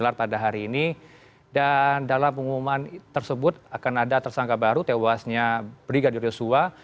ada pengumuman tersebut akan ada tersangka baru tewasnya brigadir yesua